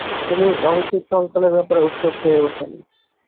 তিনি রঙচিত্র অঙ্কনের ব্যাপারে উৎসুক হয়ে ওঠেন।